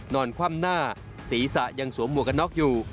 คว่ำหน้าศีรษะยังสวมหมวกกันน็อกอยู่